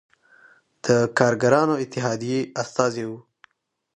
د کارګرانو اتحادیې استازی و.